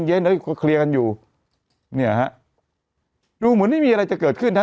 เย็นแล้วก็เคลียร์กันอยู่เนี่ยฮะดูเหมือนไม่มีอะไรจะเกิดขึ้นฮะ